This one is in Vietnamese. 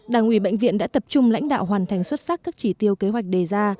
đảng ủy bệnh viện đã tập trung lãnh đạo hoàn thành xuất sắc các chỉ tiêu kế hoạch đề ra